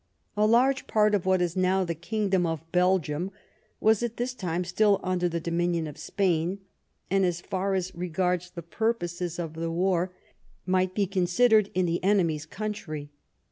A large part of what is now the kingdom of Belgium was at this time still under the dominion of Spain, and so far as regards the purposes of the war might be considered in the enemy^s country.